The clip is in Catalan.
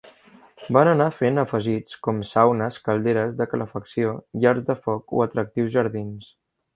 Van anar fent afegits com saunes, calderes de calefacció, llars de foc o atractius jardins.